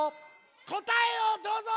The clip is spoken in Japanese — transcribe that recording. こたえをどうぞ！